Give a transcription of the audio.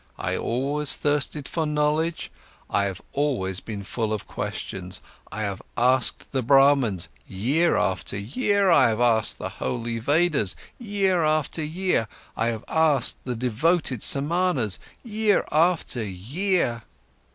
I always thirsted for knowledge, I have always been full of questions. I have asked the Brahmans, year after year, and I have asked the holy Vedas, year after year, and I have asked the devote Samanas, year after year.